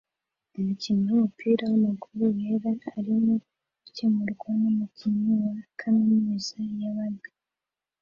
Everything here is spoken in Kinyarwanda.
Umukinnyi wumupira wamaguru wera arimo gukemurwa numukinnyi wa kaminuza ya Baga